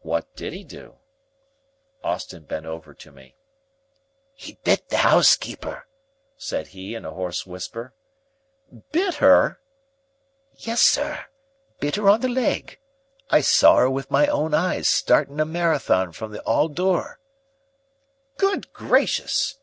"What did he do?" Austin bent over to me. "'E bit the 'ousekeeper," said he in a hoarse whisper. "Bit her?" "Yes, sir. Bit 'er on the leg. I saw 'er with my own eyes startin' a marathon from the 'all door." "Good gracious!"